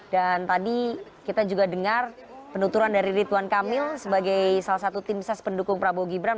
dan tadi kita juga dengar penuturan dari rituan kamil sebagai salah satu tim ses pendukung prabowo gibran